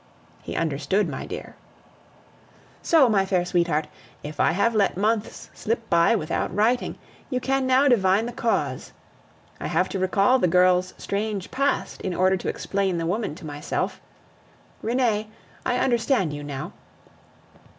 He understood, my dear. So, my fair sweetheart, if I have let months slip by without writing, you can now divine the cause. I have to recall the girl's strange past in order to explain the woman to myself. Renee, I understand you now.